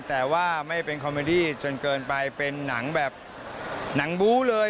แต่ว่าไม่เป็นคอมเมดี้จนเกินไปเป็นหนังแบบหนังบู้เลย